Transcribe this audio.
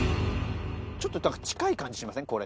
ちょっと近い感じしません？